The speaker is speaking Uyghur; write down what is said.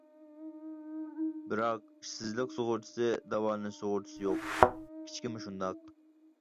بىراق، ئىشسىزلىق سۇغۇرتىسى، داۋالىنىش سۇغۇرتىسى يوق، كىچىكىمۇ شۇنداق.